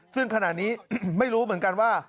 ซึ่งขณะนี้ไม่รู้เหมือนกันว่า